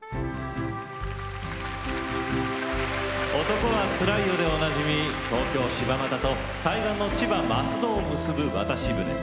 「男はつらいよ」でおなじみ、東京・柴又と対岸の千葉・松戸を結ぶ渡し舟。